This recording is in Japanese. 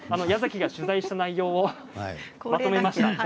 矢崎が取材した内容をまとめました。